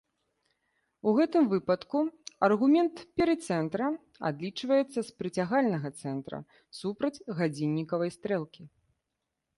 У гэтым выпадку аргумент перыцэнтра адлічваецца з прыцягальнага цэнтра супраць гадзіннікавай стрэлкі.